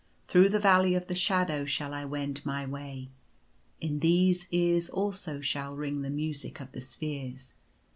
Through the Valley of the Shadow shall I wend my way. In these ears also shall ring the Music of the Spheres.